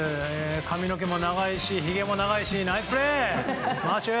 髪の毛も長いしひげも長いしナイスプレー、マーシュ！